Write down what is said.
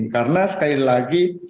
karena sekali lagi